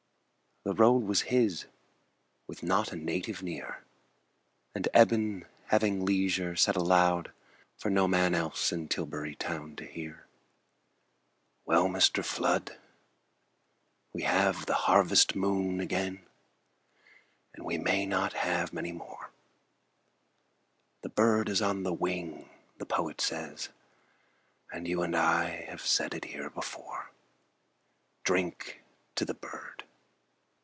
The road was his with not a native near; And Eben, having leisure, said aloud, For no man else in Tilbury Town to hear: "Well, Mr. Flood, we have the harvest moon Again, and we may not have many more; The bird is on the wing, the poet says, And you and I have said it here before. Drink to the bird."